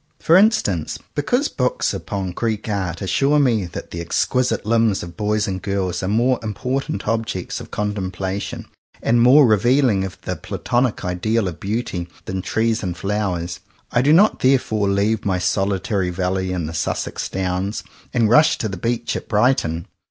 For instance, because books upon Greek Art assure me that the exquisite limbs of boys and girls are more important objects 118 JOHN COWPER POWYS of contemplation, and more revealing of the Platonic ideal of Beauty, than trees and flowers, I do not therefore leave my solitary valley in the Sussex Downs, and rush to the beach at Brighton.